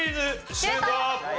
シュート！